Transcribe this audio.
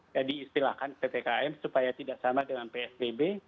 jadi istilahkan ppkm supaya tidak sama dengan psbb